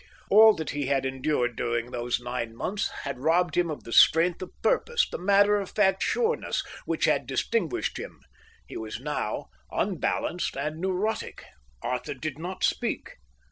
All that he had endured during these nine months had robbed him of the strength of purpose, the matter of fact sureness, which had distinguished him. He was now unbalanced and neurotic. Arthur did not speak.